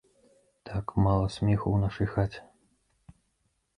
Так, мала смеху ў нашай хаце.